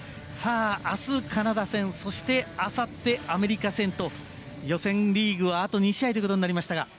あす、カナダ戦、そしてあさってアメリカ戦と予選リーグは、あと２試合ということになりましたが。